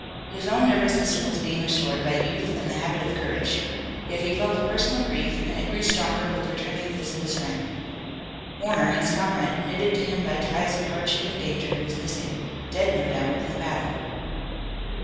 His own nervous system was being restored by youth and the habit of courage. Yet he felt a personal grief, and it grew stronger with returning physical strength. Warner, his comrade, knitted to him by ties of hardship and danger, was missing, dead no doubt in the battle.